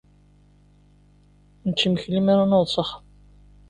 Ad necc imekli mi ara naweḍ s axxam.